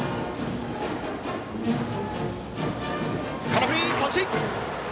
空振り三振！